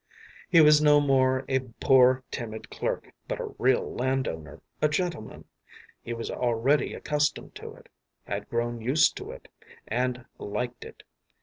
’ “He was no more a poor timid clerk, but a real landowner, a gentleman. He was already accustomed to it, had grown used to it, and liked it.